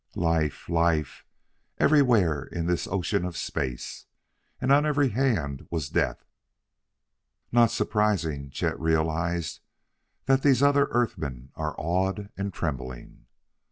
Life! life, everywhere in this ocean of space! And on every hand was death. "Not surprising," Chet realized, "that these other Earthmen are awed and trembling!"